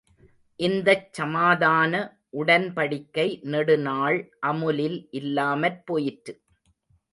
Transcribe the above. இந்தச்சமாதான உடன்படிக்கை நெடுநாள் அமுலில் இல்லாமற் போயிற்று.